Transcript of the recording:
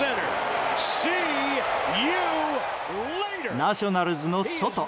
ナショナルズのソト。